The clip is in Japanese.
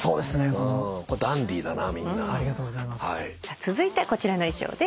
続いてこちらの衣装です。